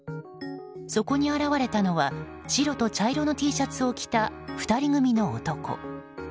そこに現れたのは白と茶色のＴシャツを着た２人組の男。